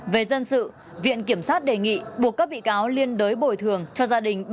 về dân sự viện kiểm sát đề nghị buộc các bị cáo liên đới bồi thường cho gia đình